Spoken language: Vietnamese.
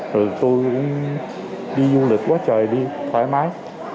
rồi tôi cũng đi du lịch quá trời đi thoải mái